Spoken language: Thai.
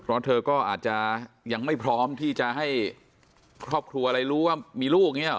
เพราะเธอก็อาจจะยังไม่พร้อมที่จะให้ครอบครัวอะไรรู้ว่ามีลูกอย่างนี้ห